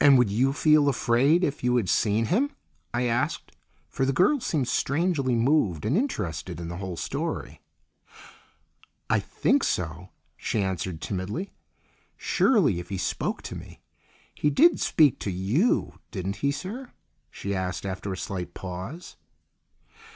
"And would you feel afraid if you had seen him?" I asked, for the girl seemed strangely moved and interested in the whole story. "I think so," she answered timidly. "Surely, if he spoke to me. He did speak to you, didn't he, sir?" she asked after a slight pause.